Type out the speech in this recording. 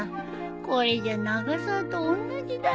これじゃ永沢とおんなじだよ。